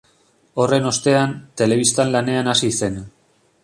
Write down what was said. Horren ostean, telebistan lanean hasi zen.